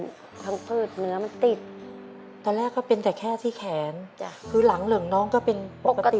ตอนอยู่ปซ่องหลังมันตุ้ยขึ้นมาครูเขาเลยว่าทำไมล่ะอเรนนี่แค่ที่แขนคือหลังเหลืองน้องก็เป็นปกติเหมือนเด็กคนอื่นครับ